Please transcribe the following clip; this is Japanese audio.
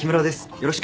よろしく。